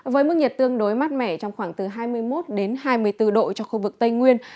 với mức nhiệt tương đối mát mẻ trong khoảng từ hai mươi một hai mươi bốn độ cho khu vực tây nguyên